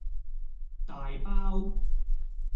大包